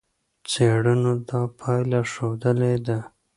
څېړنو دا پایله ښودلې ده.